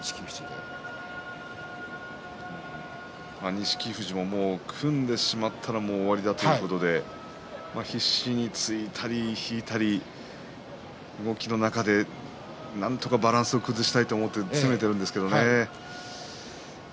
錦富士も組んでしまったら終わりだということで必死に突いたり引いたり動きの中でなんとか相手のバランスを崩したいと攻めているんですけどね。